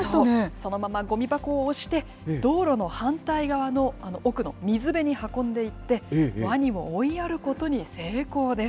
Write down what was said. そのままごみ箱を押して、道路の反対側の奥の水辺に運んでいって、ワニを追いやることに成功です。